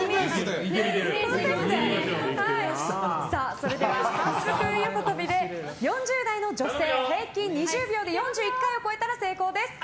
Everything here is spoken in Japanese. それでは反復横跳び４０代の女性の平均２０秒で４１回を超えたら成功です。